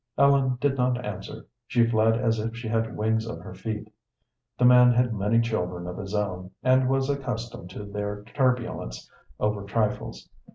Ellen did not answer; she fled as if she had wings on her feet. The man had many children of his own, and was accustomed to their turbulence over trifles.